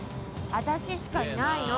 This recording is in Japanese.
私しかいないの」